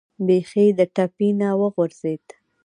بیخي د ټپې نه و غورځېد.